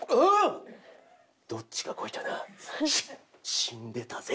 死んでたぜ。